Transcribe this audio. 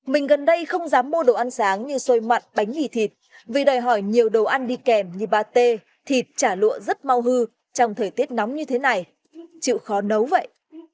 mình gần đây không dám mua đồ ăn sáng như xôi mặn bánh mì thịt vì đòi hỏi nhiều đồ ăn đi kèm như ba t thịt chả lụa rất mau hư trong thời tiết nóng như thế này chịu khó nấu vậy